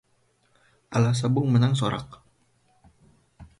Alah sabung menang sorak